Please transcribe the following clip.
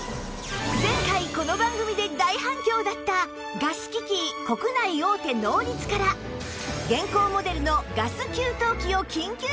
前回この番組で大反響だったガス機器国内大手ノーリツから現行モデルのガス給湯器を緊急確保！